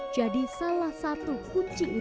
jadi salah satu kuncinya